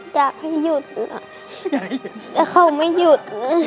อยากให้หยุดค่ะแต่เขาไม่หยุด